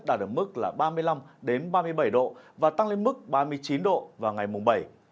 đạt ở mức là ba mươi năm ba mươi bảy độ và tăng lên mức ba mươi chín độ vào ngày mùng bảy